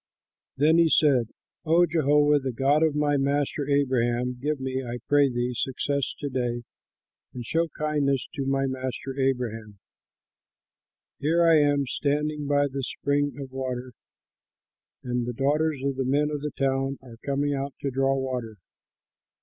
Then he said, "O Jehovah, the God of my master Abraham, give me, I pray thee, success to day, and show kindness to my master Abraham. Here I am standing by the spring of water, and the daughters of the men of the town are coming out to draw water.